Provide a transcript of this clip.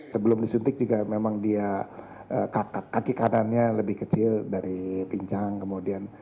sebelum disuntik juga memang dia kaki kanannya lebih kecil dari pincang kemudian